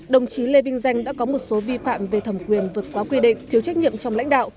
đồng chí lê vinh danh đã có một số vi phạm về thẩm quyền vượt quá quy định thiếu trách nhiệm trong lãnh đạo